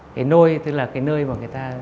cái nơi tức là cái nơi mà người ta